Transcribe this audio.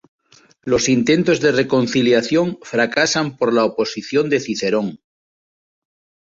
Los intentos de reconciliación fracasan por la oposición de Cicerón.